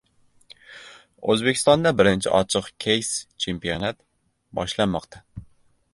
O‘zbekistonda Birinchi ochiq keys-chempionat boshlanmoqda!